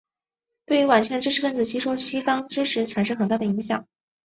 对于晚清的知识分子吸收西方知识产生很大的影响。